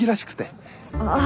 ああ。